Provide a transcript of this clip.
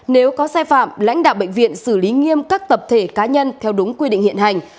nếu có sai phạm lãnh đạo bệnh viện xử lý nghiêm các tập thể cá nhân theo đúng quy định hiện hành